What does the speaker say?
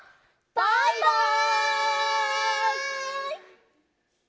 バイバイ！